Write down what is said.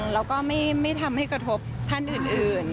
แล้วก็ไม่ทำให้กระทบท่านอื่น